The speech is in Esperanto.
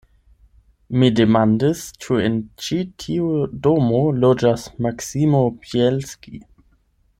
Mi demandis, ĉu en ĉi tiu domo loĝas Maksimo Bjelski.